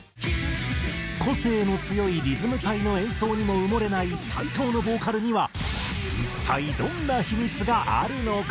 個性の強いリズム隊の演奏にも埋もれない斎藤のボーカルには一体どんな秘密があるのか？